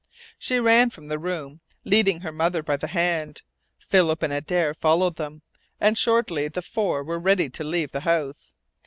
She ran from the room, leading her mother by the hand. Philip and Adare followed them, and shortly the four were ready to leave the house.